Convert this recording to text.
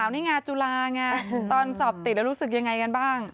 นี่ไงจุฬาไงตอนสอบติดแล้วรู้สึกยังไงกันบ้าง